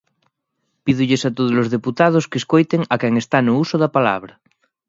Pídolles a todos os deputados que escoiten a quen está no uso da palabra.